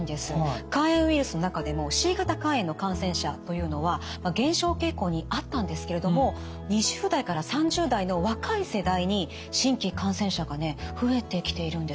肝炎ウイルスの中でもＣ型肝炎の感染者というのは減少傾向にあったんですけれども２０代から３０代の若い世代に新規感染者がね増えてきているんですよ。